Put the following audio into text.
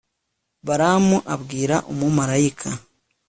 balamu abwira umumarayika